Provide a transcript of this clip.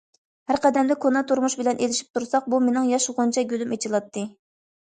ھەر قەدەمدە كونا تۇرمۇش بىلەن ئېلىشىپ تۇرساق، بۇ مېنىڭ ياش غۇنچە گۈلۈم ئېچىلاتتى.